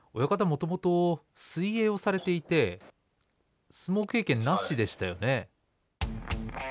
もともと水泳をされていて相撲経験なしでしたよね。